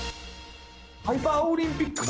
『ハイパーオリンピック』僕